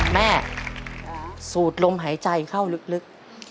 แม่สูตรลมหายใจเข้าลึก